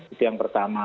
itu yang pertama